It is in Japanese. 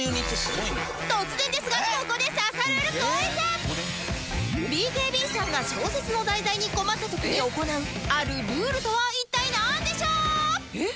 突然ですがここでＢＫＢ さんが小説の題材に困った時に行うあるルールとは一体なんでしょう？